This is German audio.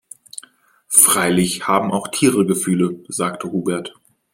Freilich haben auch Tiere Gefühle, sagt Hubert.